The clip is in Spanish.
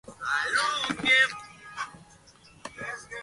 Se han encontrado fósiles en Arizona, California, Nevada y Nebraska.